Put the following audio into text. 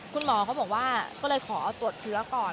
คุณหมอเขาบอกว่าก็เลยขอตรวจเชื้อก่อน